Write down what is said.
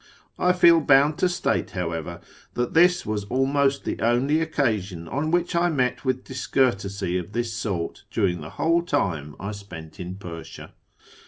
I feel bound to state, however, that this was almost the only occasion on which I met with discourtesy of this sort during the whole time I spent in Persia.